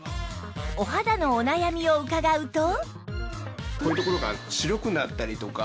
お肌のお悩みを伺うと